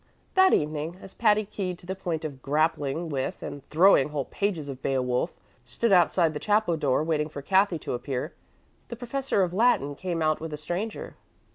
That evening, as Patty, keyed to the point of grappling with and throwing whole pages of "Beowulf," stood outside the chapel door waiting for Cathy to appear, the professor of Latin came out with a stranger.